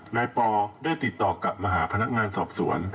ปอได้ติดต่อกลับมาหาพนักงานสอบสวน